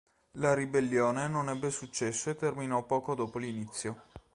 La ribellione non ebbe successo e terminò poco dopo l'inizio.